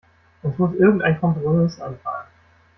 Uns muss irgendein Kompromiss einfallen.